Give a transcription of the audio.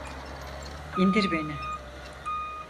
İndir beni!